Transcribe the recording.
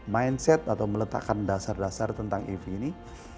mindset atau meletakkan dasar dasar tentang ev ini